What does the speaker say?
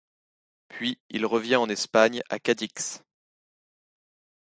Puis il revient en Espagne à Cadix.